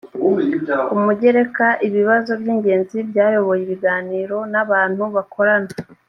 umugereka ibibazo by ingenzi byayoboye ibiganiro n abantu bakorana